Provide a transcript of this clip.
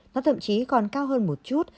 nó thậm chí còn cao hơn một chút